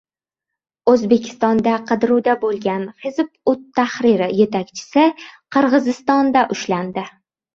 O‘zbekistonda qidiruvda bo‘lgan “Hizb ut-Tahrir” yetakchisi Qirg‘izistonda ushlandi